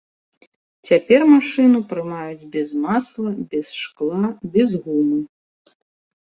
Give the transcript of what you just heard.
Цяпер машыну прымаюць без масла, без шкла, без гумы.